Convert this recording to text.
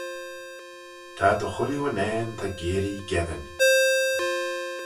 Ta dy chooilley unnane ta geearree geddyn.